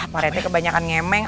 pak rete kebanyakan ngemeng